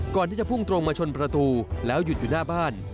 ก่อนที่จะพุ่งตรงมาชนประตูแล้วหยุดอยู่หน้าบ้าน